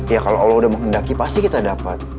ya kalau allah udah menghendaki pasti kita dapat